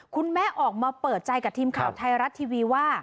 คุณแม่ออกมาเปิดใจกับทีมข่าวไทยรัฐทีวีว่า